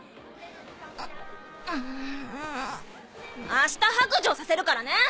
明日白状させるからね！